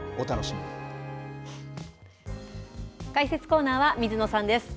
解説コーナーは水野さんです。